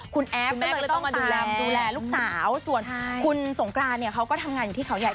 คุณแอฟก็เลยต้องมาดูแลลูกสาวส่วนคุณสงกรานเนี่ยเขาก็ทำงานอยู่ที่เขาใหญ่